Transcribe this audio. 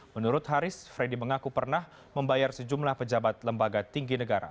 menurut haris freddy mengaku pernah membayar sejumlah pejabat lembaga tinggi negara